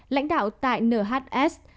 lãnh đạo tại nhs